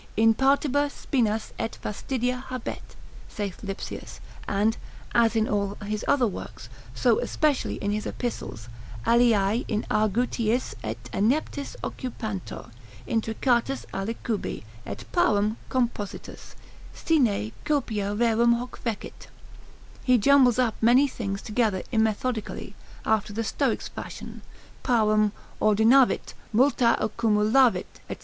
In partibus spinas et fastidia habet, saith Lipsius; and, as in all his other works, so especially in his epistles, aliae in argutiis et ineptiis occupantur, intricatus alicubi, et parum compositus, sine copia rerum hoc fecit, he jumbles up many things together immethodically, after the Stoics' fashion, parum ordinavit, multa accumulavit, &c.